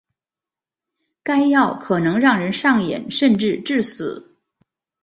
该药可能让人上瘾甚至致死。